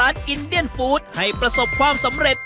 การที่บูชาเทพสามองค์มันทำให้ร้านประสบความสำเร็จ